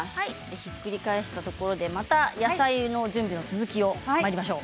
ひっくり返したところでまた野菜の準備の続きにまいりましょう。